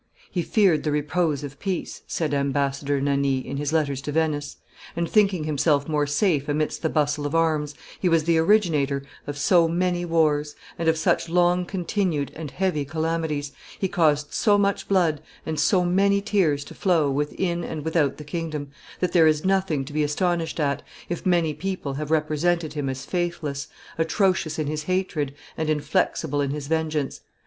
"He feared the repose of peace," said the ambassador Nani in his letters to Venice; "and thinking himself more safe amidst the bustle of arms, he was the originator of so many wars, and of such long continued and heavy calamities, he caused so much blood and so many tears to flow within and without the kingdom, that there is nothing to be astonished at, if many people have represented him as faithless, atrocious in his hatred, and inflexible in his vengeance.